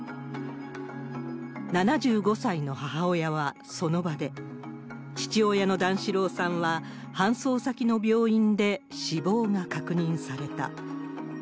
７５歳の母親はその場で、父親の段四郎さんは搬送先の病院で死亡が確認された。